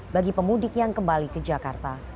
bagi pemudik yang kembali ke jakarta